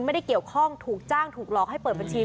ไม่ได้เกี่ยวข้องถูกจ้างถูกหลอกให้เปิดบัญชี